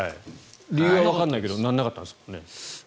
理由はわからなかったけど鳴らなかったんですよね。